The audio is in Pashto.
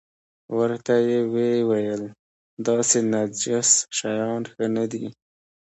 ورته ویې ویل داسې نجس شیان ښه نه دي.